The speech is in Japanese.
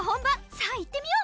さあいってみよう！